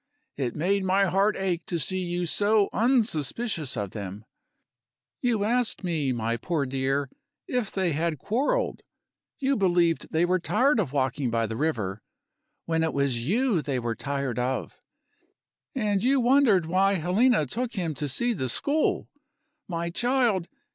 It made my heart ache to see you so unsuspicious of them. You asked me, my poor dear, if they had quarreled you believed they were tired of walking by the river, when it was you they were tired of and you wondered why Helena took him to see the school. My child!